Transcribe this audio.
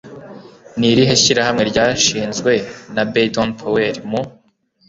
Ni irihe shyirahamwe ryashinzwe na Baydon Powell Mu